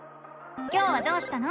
今日はどうしたの？